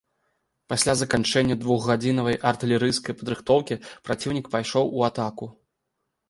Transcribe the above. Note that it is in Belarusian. Пасля заканчэння двухгадзіннай артылерыйскай падрыхтоўкі праціўнік пайшоў у атаку.